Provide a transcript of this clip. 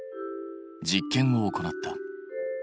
実験を行った。